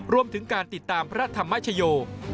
รวมถึงการติดตามพระธรรมชโย